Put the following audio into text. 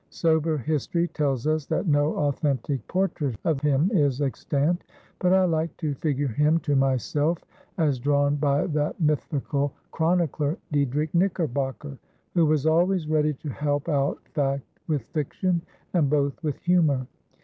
Sober history tells us that no authentic portrait of him is extant; but I like to figure him to myself as drawn by that mythical chronicler, Diedrich Knickerbocker, who was always ready to help out fact with fiction and both with humor.